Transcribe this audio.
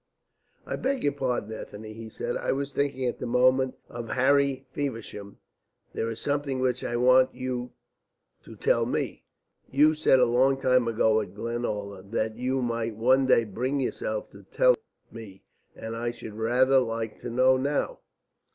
"I beg your pardon, Ethne," he said. "I was thinking at the moment of Harry Feversham. There is something which I want you to tell me. You said a long time ago at Glenalla that you might one day bring yourself to tell it me, and I should rather like to know now.